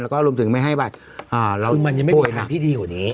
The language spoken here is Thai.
แล้วก็รวมถึงไม่ให้บัตรมันยังไม่มีหน่วยงานที่ดีกว่านี้